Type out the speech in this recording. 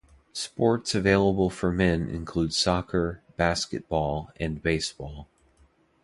Sports available for men include soccer, basketball, and baseball.